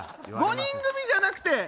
５人組じゃなくて。